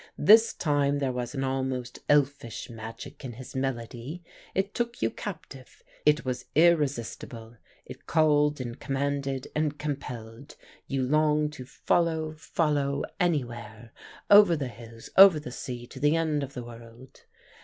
This time there was an almost elfish magic in his melody. It took you captive; it was irresistible; it called and commanded and compelled; you longed to follow, follow, anywhere, over the hills, over the sea, to the end of the world.